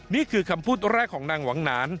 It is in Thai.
นี่คือคำพูดแรกของนางหวังนาน